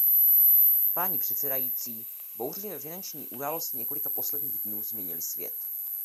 Paní předsedající, bouřlivé finanční události několika posledních dnů změnily svět.